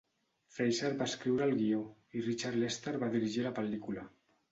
Fraser va escriure el guió i Richard Lester va dirigir la pel·lícula.